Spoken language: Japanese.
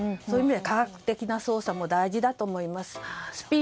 そういう意味では科学的な捜査も大事だと思います。